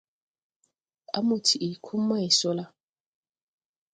A mo tiʼ ko may so la.